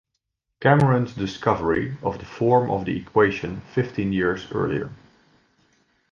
Cameron's discovery of the form of the equation fifteen years earlier.